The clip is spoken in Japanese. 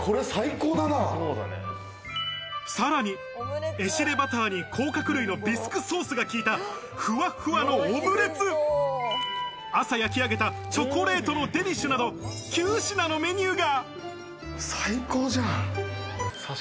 さらにエシレバターに甲殻類のビスクソースがきいたふわふわのオムレツ、朝焼き上げたチョコレートのデニッシュなど９品のメニューが！